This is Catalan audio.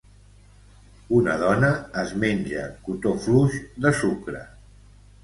Una dona es menja cotó fluix de sucre.